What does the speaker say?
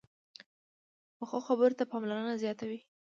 پخو خبرو ته پاملرنه زیاته وي